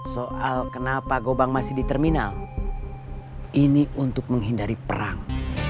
soal kenapa gobang masih di terminal ini untuk menghindari perang